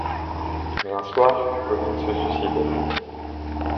Mais un soir, Claudine se suicide.